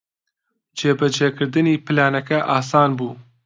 جێبەجێکردنی پلانەکە ئاسان بوو.